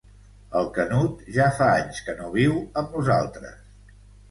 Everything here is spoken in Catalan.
El Canut ja fa anys que no viu amb nosaltres.